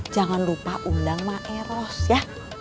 jangan lupa undang maeros ya